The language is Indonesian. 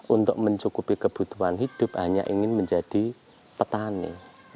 untuk mencukupi kebutuhan hidup hanya ingin menjadi petani